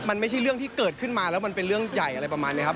มันไม่ใช่เรื่องที่เกิดขึ้นมาแล้วมันเป็นเรื่องใหญ่อะไรประมาณนี้ครับ